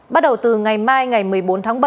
bắt đầu từ ngày mai ngày một mươi bốn tháng bảy